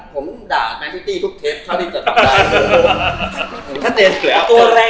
ผมด่าแมล็คพิตตี้ทุกเทปเท่าที่จะทำได้